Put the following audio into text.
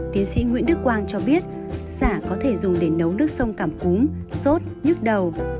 tiến sĩ nguyễn đức quang cho biết xả có thể dùng để nấu nước sông cảm cúm sốt nhức đầu